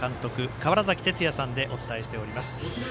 川原崎哲也さんでお伝えしております。